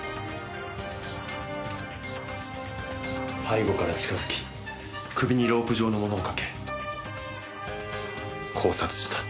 背後から近づき首にロープ状のものをかけ絞殺した。